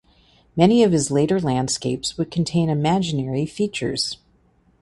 Many of his later landscapes would contain imaginary features.